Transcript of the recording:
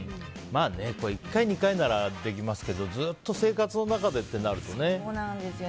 １回２回ならできますけどずっと生活の中でとなるとね。